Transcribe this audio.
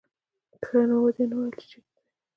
ښه نو ودې نه ویل چې چېرته ځې.